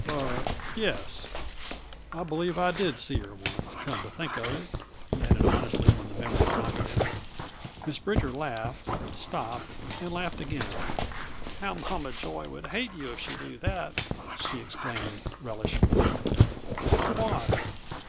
"Er yes, I believe I did see her once, come to think of it," he added honestly when memory prompted him. Miss Bridger laughed, stopped, and laughed again. "How Mama Joy would hate you if she knew that!" she exclaimed relishfully. "Why?"